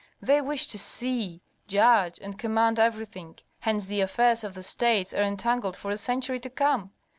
They wish to see, judge, and command everything; hence the affairs of their states are entangled for a century to come.